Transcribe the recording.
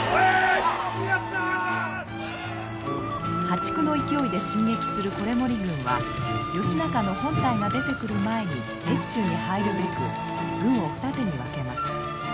破竹の勢いで進撃する維盛軍は義仲の本隊が出てくる前に越中に入るべく軍を二手に分けます。